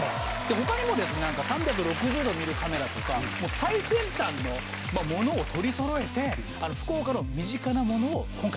ほかにもですね３６０度見るカメラとかもう最先端のものを取りそろえて福岡の身近なものを今回撮ってきました。